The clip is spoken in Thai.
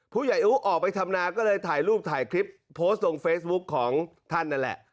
ผู้ใหญ่อู๋ออกไปทำนาก็เลยถ่ายรูปถ่ายคลิปโพสต์ลงเฟซบุ๊คของท่านนั่นแหละ